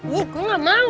gue gak mau